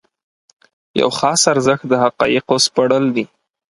یو خاص ارزښت د حقایقو سپړل دي.